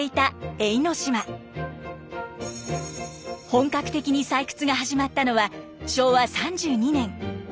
本格的に採掘が始まったのは昭和３２年。